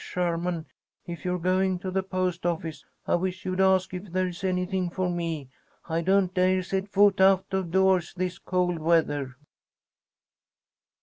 Lloyd Sherman! If you're going to the post office, I wish you'd ask if there is anything for me. I don't dare set foot out of doors this cold weather."